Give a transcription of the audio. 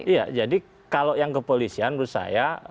iya jadi kalau yang ke polisian menurut saya